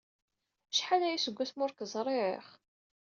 Acḥal aya seg wasmi ur k-ẓriɣ!